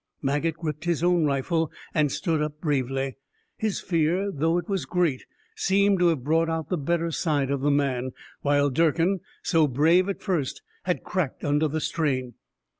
Maget gripped his own rifle, and stood up, bravely. His fear, though it was great, seemed to have brought out the better side of the man, while Durkin, so brave at first, had cracked under the strain.